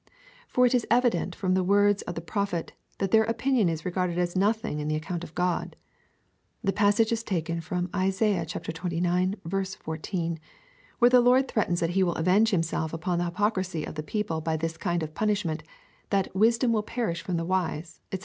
For it is evident from the words of the Prophet, that their opinion is regarded as nothing in the account of God. The j)assage is taken from Isaiah xxix. 1 4, where the Lord threatens that he will avenge himself upon the hypocrisy of the people by this kind of punishment, that wisdom will perish from the wise, &c.